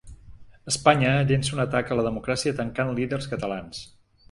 Espanya llença un atac a la democràcia tancant líders catalans